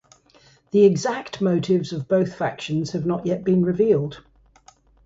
The exact motives of both factions have not yet been revealed.